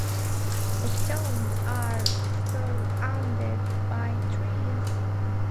The stones are surrounded by trees.